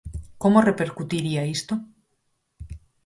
Como repercutiría isto?